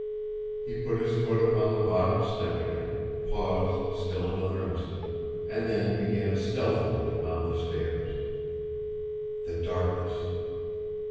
He put his foot upon the bottom step again paused still another instant and then began stealthily to mount the stairs. The darkness!